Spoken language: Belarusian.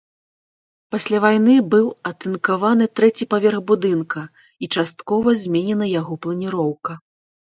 Пасля вайны быў атынкаваны трэці паверх будынка і часткова зменена яго планіроўка.